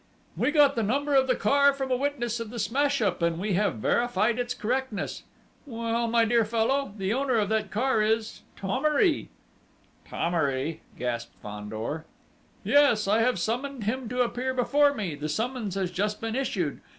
"We got the number of the car from a witness of the smash up; and we have verified its correctness. Well, my dear fellow, the owner of that car is Thomery!" "Thomery!" gasped Fandor. "Yes. I have summoned him to appear before me the summons has just been issued.